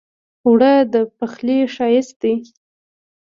اوړه د پخلي ښايست دی